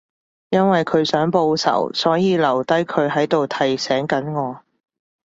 因為佢想報仇，所以留低佢喺度提醒緊我